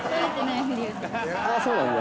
そうなんだ。